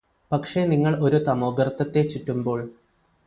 പക്ഷേ നിങ്ങള് ഒരു തമോഗര്ത്തത്തെ ചുറ്റുമ്പോള്